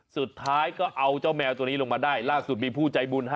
สุดท้ายก็เอาเจ้าแมวตัวนี้ลงมาได้ล่าสุดมีผู้ใจบุญฮะ